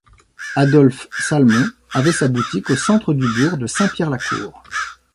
Adolphe Salmon avait sa boutique au centre du bourg de Saint-Pierre-la-Cour.